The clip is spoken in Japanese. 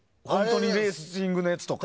レーシングのやつとか。